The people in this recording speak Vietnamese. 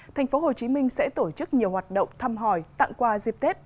tp hcm sẽ tổ chức nhiều hoạt động thăm hỏi tặng quà dịp tết